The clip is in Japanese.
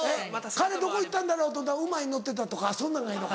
彼どこ行ったんだろう？と思ったら馬に乗ってたとかそんなんがええのか。